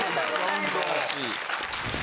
素晴らしい。